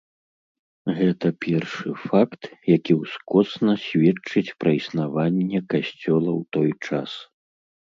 Гэта першы факт, які ўскосна сведчыць пра існаванне касцёла ў той час.